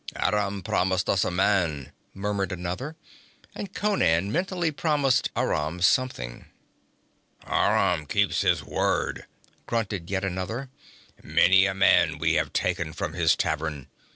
'Aram promised us a man,' muttered another, and Conan mentally promised Aram something. 'Aram keeps his word,' grunted yet another. 'Many a man we have taken from his tavern.